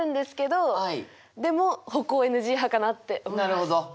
なるほど。